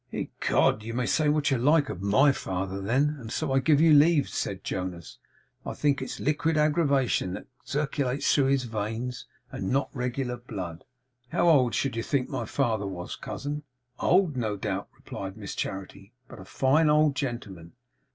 'Ecod, you may say what you like of MY father, then, and so I give you leave,' said Jonas. 'I think it's liquid aggravation that circulates through his veins, and not regular blood. How old should you think my father was, cousin?' 'Old, no doubt,' replied Miss Charity; 'but a fine old gentleman.